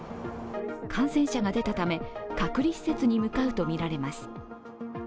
感染者が出たため隔離施設に向かうとみられます。